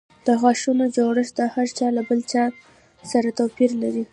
د غاښونو جوړښت د هر چا له بل سره توپیر لري.